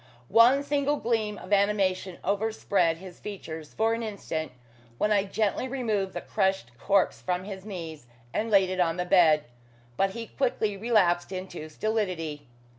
One single gleam of animation overspread his features for an instant when I gently removed the crushed corpse from his knees, and laid it on the bed, but he quickly relapsed into stolidity.